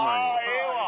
ええわ！